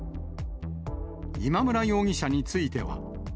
今村容疑者については。